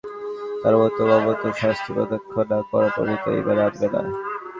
তারা তো মর্মন্তুদ শাস্তি প্রত্যক্ষ না করা পর্যন্ত ঈমান আনবে না।